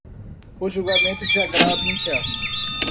o julgamento de agravo interno;